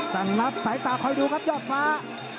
รับสายตาคอยดูครับยอดฟ้า